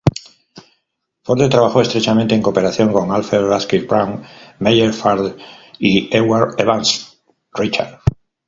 Forde trabajó estrechamente en cooperación con Alfred Radcliffe-Brown, Meyer Fortes y Edward Evans Pritchard.